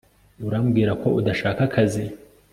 Urambwira ko udashaka akazi